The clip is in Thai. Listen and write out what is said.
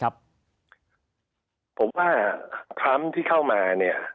ผมว่าทรัมพ์ที่เข้ามา